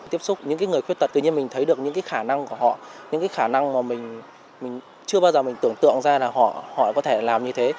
tiếp xúc những người khuyết tật tự nhiên mình thấy được những cái khả năng của họ những cái khả năng mà mình chưa bao giờ mình tưởng tượng ra là họ có thể làm như thế